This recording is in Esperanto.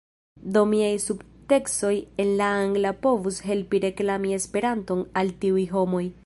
Do miaj subteksoj en la angla povus helpi reklami Esperanton al tiuj homoj